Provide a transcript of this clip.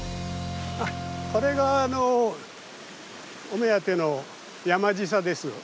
これがお目当ての「山ぢさ」です。